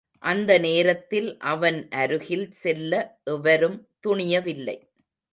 அந்த நேரத்தில் அவன் அருகில் செல்ல எவரும் துணியவில்லை.